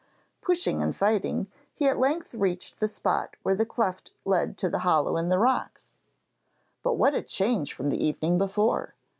Pushing and fighting, he at length reached the spot where the cleft led to the hollow in the rocks. But what a change from the evening before!